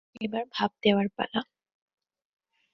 এবার ভাঁপ দেওয়ার পালা।